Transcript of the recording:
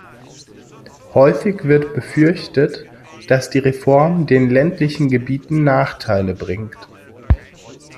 Häufig wird befürchtet, dass die Reform den ländlichen Gebieten Nachteile bringt.